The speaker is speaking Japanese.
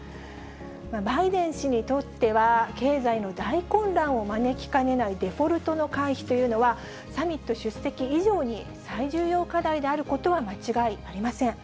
バイデン氏にとっては、経済の大混乱を招きかねないデフォルトの回避というのは、サミット出席以上に最重要課題であることは間違いありません。